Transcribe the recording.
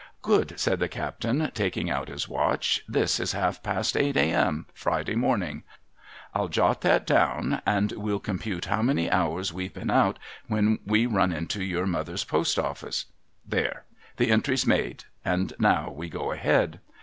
'dood,' said the captain, taking out his watch. 'This is half past eight A.M., Friday morning. Fll jot that down, and we'll com[)ule how many hours we've been out when we run into your mother's post office. There ! The entry's made, and now we go ahead.'